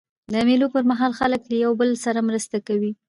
د مېلو پر مهال خلک له یوه بل سره مرسته کوي.